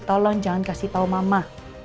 tolong jangan kasih tahu mama